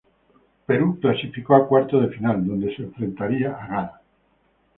Perú clasificó a cuartos de final, donde enfrentaría a Ghana.